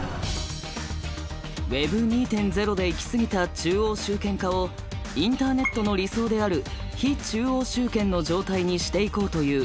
Ｗｅｂ２．０で行き過ぎた中央集権化をインターネットの理想である非中央集権の状態にしていこうというＷｅｂ３。